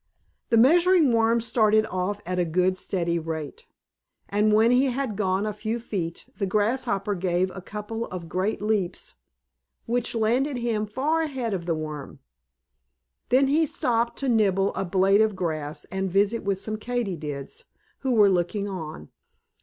The Measuring Worm started off at a good, steady rate, and when he had gone a few feet the Grasshopper gave a couple of great leaps, which landed him far ahead of the Worm. Then he stopped to nibble a blade of grass and visit with some Katydids who were looking on.